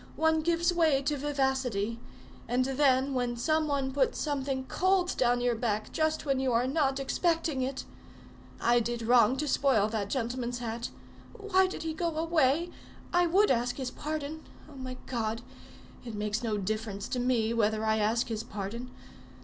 One gives way to vivacity; and then, when some one puts something cold down your back just when you are not expecting it! I did wrong to spoil that gentleman's hat. Why did he go away? I would ask his pardon. Oh, my God! It makes no difference to me whether I ask his pardon.